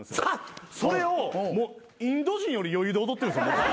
それをインド人より余裕で踊ってるんですよ。